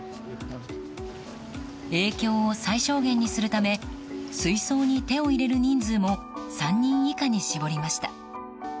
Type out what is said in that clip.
影響を最小限にするため水槽に手を入れる人数も３人以下に絞りました。